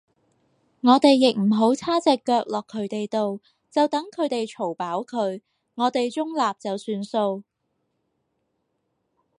我哋亦唔好叉隻腳落佢哋度，就等佢哋嘈飽佢，我哋中立就算數